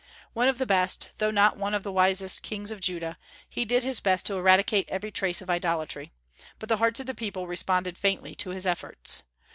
One of the best, though not one of the wisest, kings of Judah, he did his best to eradicate every trace of idolatry; but the hearts of the people responded faintly to his efforts.